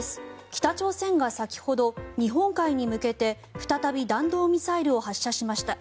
北朝鮮が先ほど日本海に向けて再び弾道ミサイルを発射しました。